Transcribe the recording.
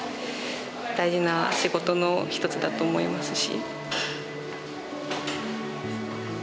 大事な仕事の一つだと思いますし。